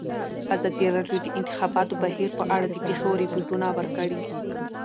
ازادي راډیو د د انتخاباتو بهیر په اړه د پېښو رپوټونه ورکړي.